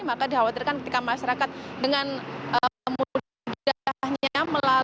maka dikhawatirkan ketika masyarakat dengan mudahnya